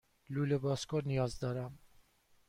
لوله بازکن نیاز دارم.